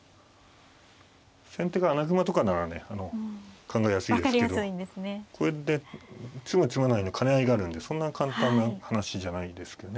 先手が穴熊とかならね考えやすいですけどこれで詰む詰まないの兼ね合いがあるんでそんな簡単な話じゃないですけどね。